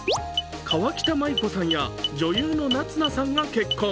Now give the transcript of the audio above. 河北麻友子さんや女優の夏菜さんが結婚。